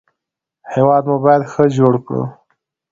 هېواد مو باید ښه جوړ کړو